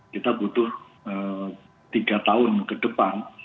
kita butuh tiga tahun ke depan